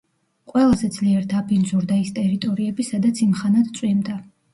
ყველაზე ძლიერ დაბინძურდა ის ტერიტორიები, სადაც იმხანად წვიმდა.